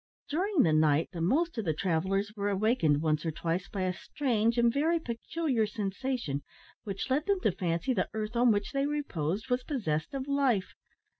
During the night the most of the travellers were awakened once or twice by a strange and very peculiar sensation, which led them to fancy the earth on which they reposed was possessed of life.